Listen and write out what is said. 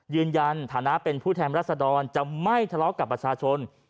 ในฐานะเป็นผู้แทนรัศดรจะไม่ทะเลาะกับประชาชน